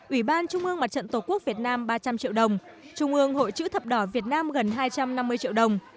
ủy ban trung ương mặt trận tổ quốc việt nam ba trăm linh triệu đồng trung ương hội chữ thập đỏ việt nam gần hai trăm năm mươi triệu đồng